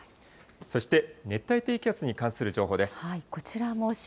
そして熱帯低気圧に関する情報です。